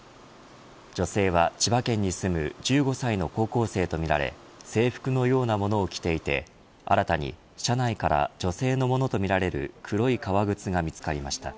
女性は、千葉県に住む１５歳の高校生とみられ制服のような物を着ていて新たに車内から女性のものとみられる黒い革靴が見つかりました。